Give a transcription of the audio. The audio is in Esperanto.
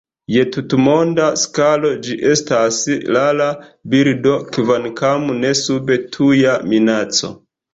Je tutmonda skalo ĝi estas rara birdo, kvankam ne sub tuja minaco.